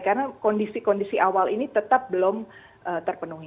karena kondisi kondisi awal ini tetap belum terpenuhi